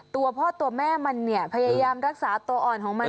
ตัวพ่อตัวแม่มันเนี่ยพยายามรักษาตัวอ่อนของมัน